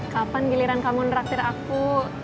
kapan giliran kamu neraktir aku